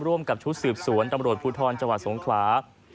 ร่วมกับชุดสืบสวนตำรวจภูทรจังหวัดสงขลา